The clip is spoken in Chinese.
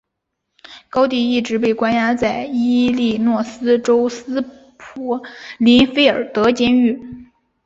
高蒂一直被关押在伊利诺斯州斯普林菲尔德监狱。